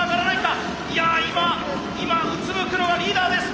今うつむくのはリーダーです。